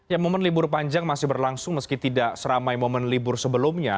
ya momen libur panjang masih berlangsung meski tidak seramai momen libur sebelumnya